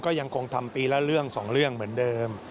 ก็ยังคงทำปีละเรื่องสองเรื่องเหมือนเดิม